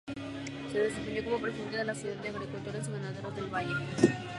Se desempeñó como presidente de la Sociedad de Agricultores Y Ganaderos del Valle.